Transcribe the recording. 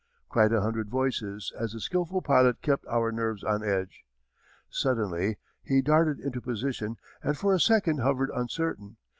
cried a hundred voices as the skilful pilot kept our nerves on edge. Suddenly he darted into position and for a second hovered uncertain.